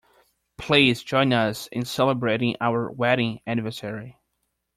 Please join us in celebrating our wedding anniversary